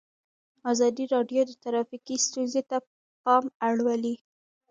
ازادي راډیو د ټرافیکي ستونزې ته پام اړولی.